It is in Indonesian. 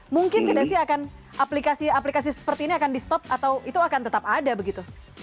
mungkin tidak sih akan aplikasi aplikasi seperti ini akan di stop atau itu akan tetap ada begitu